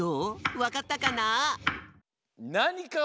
わかったかな？